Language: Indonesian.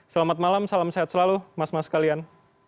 selamat malam salam sehat selalu mas mas kalian